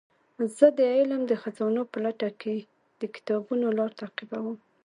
زه د علم د خزانو په لټه کې د کتابونو لار تعقیبوم.